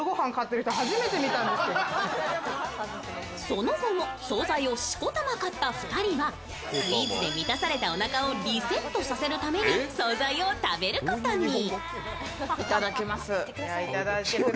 その後も総菜をしこたま買った２人はスイーツで満たされたおなかをリセットさせるために総菜を食べることに。